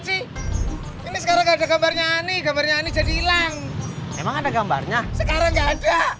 ini sekarang ada gambarnya ani gambarnya jadi hilang emang ada gambarnya sekarang nggak ada